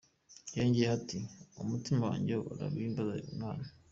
" Yongeyeho ati "Umutima wanjye urahimbaza Imana.